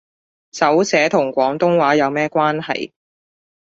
手寫同廣東話有咩關係